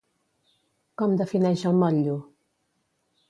Com defineix el motllo?